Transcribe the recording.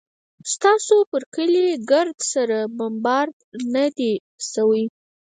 ستاسو پر کلي ګرد سره بمبارد لا نه دى سوى.